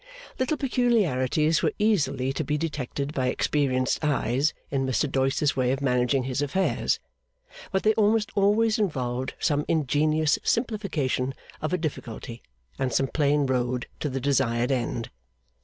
Little peculiarities were easily to be detected by experienced eyes in Mr Doyce's way of managing his affairs, but they almost always involved some ingenious simplification of a difficulty, and some plain road to the desired end.